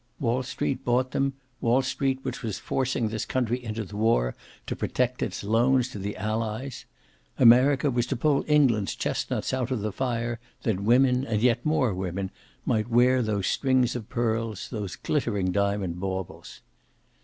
Wall Street bought them, Wall Street which was forcing this country into the war to protect its loans to the Allies. America was to pull England's chestnuts out of the fire that women, and yet more women, might wear those strings of pearls, those glittering diamond baubles.